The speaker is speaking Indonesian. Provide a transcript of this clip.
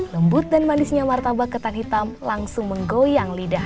lembut dan manisnya martabak ketan hitam langsung menggoyang lidah